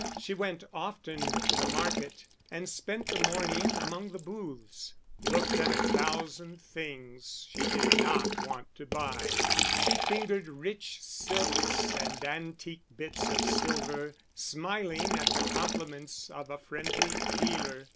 She went often to the market and spent the morning among the booths, looking at a thousand things she did not want to buy; she fingered rich silks and antique bits of silver, smiling at the compliments of a friendly dealer.